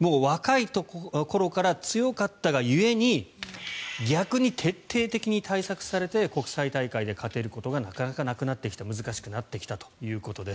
もう若い頃から強かったが故に逆に徹底的に対策されて国際大会で勝てることがなかなかなくなってきた難しくなってきたということです。